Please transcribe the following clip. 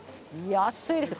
安いですよ。